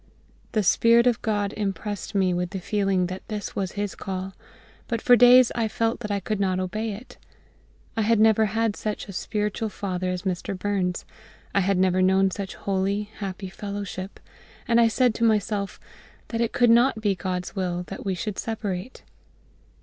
The SPIRIT OF GOD impressed me with the feeling that this was His call, but for days I felt that I could not obey it. I had never had such a spiritual father as Mr. Burns; I had never known such holy, happy fellowship; and I said to myself that it could not be GOD'S will that we should separate.